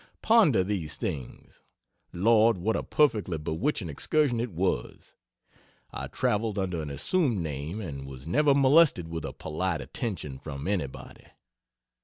Ponder these things. Lord, what a perfectly bewitching excursion it was! I traveled under an assumed name and was never molested with a polite attention from anybody.